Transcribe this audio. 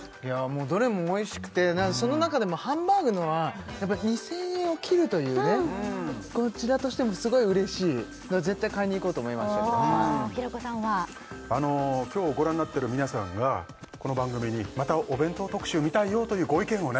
どれもおいしくてその中でもハンバーグのは２０００円を切るというねこちらとしてもすごい嬉しい絶対買いにいこうと思いました平子さんは今日ご覧になってる皆さんがこの番組にまたお弁当特集見たいよというご意見をね